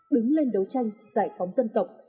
đứng lên đấu tranh giải phóng dân tộc